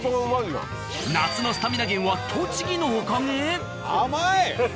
夏のスタミナ源は栃木のおかげ？